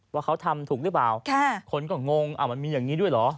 ว่าเขาทำถูกหรือเปล่าคนก็งงมันมีอย่างนี้ด้วยเหรอ